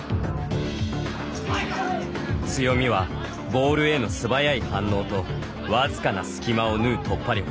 強みはボールへの素早い反応と僅かな隙間を縫う突破力。